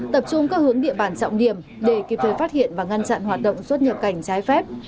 tập trung các hướng địa bàn trọng điểm để kịp thời phát hiện và ngăn chặn hoạt động xuất nhập cảnh trái phép